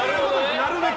なるべく。